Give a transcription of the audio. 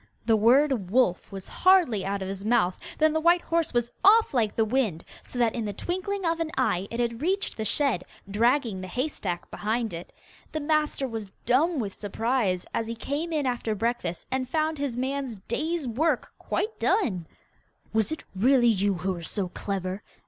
The word 'wolf' was hardly out of his mouth than the white horse was off like the wind, so that in the twinkling of an eye it had reached the shed, dragging the hay stack behind it. The master was dumb with surprise as he came in after breakfast and found his man's day's work quite done. 'Was it really you who were so clever?